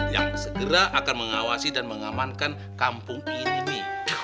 yang segera akan mengawasi dan mengamankan kampung ini